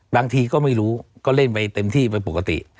บางทีก็ไม่รู้ก็เล่นไปเต็มที่ไปปกติ